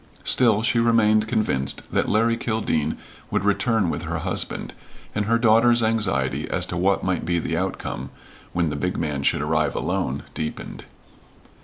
Still she remained convinced that Larry Kildene would return with her husband, and her daughter's anxiety as to what might be the outcome, when the big man should arrive alone, deepened.